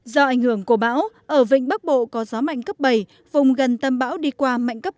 do ảnh hưởng của bão ở vịnh bắc bộ có gió mạnh cấp bảy vùng gần tâm bão đi qua mạnh cấp tám